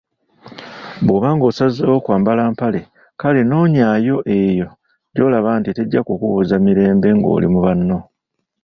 Bwoba ng'osazeewo kwambala mpale, kale nonyaayo eyo gyolaba nti tejja kukubuza mirembe ngoli mu banno